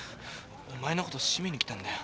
お前のことシメに来たんだよ。